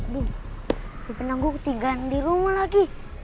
duh dipenanggu ketigaan di rumah lagi